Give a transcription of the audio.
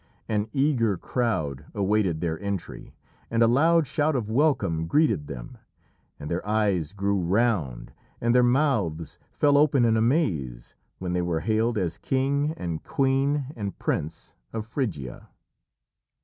An eager crowd awaited their entry, and a loud shout of welcome greeted them. And their eyes grew round and their mouths fell open in amaze when they were hailed as King and Queen and Prince of Phrygia.